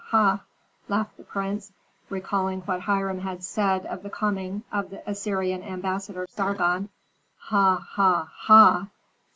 ha!" laughed the prince, recalling what Hiram had said of the coming of the Assyrian ambassador, Sargon. "Ha! ha! ha!